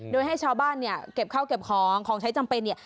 โดยให้ชาวบ้านเนี่ยเก็บข้าวเก็บของของใช้จำเป็นเนี่ย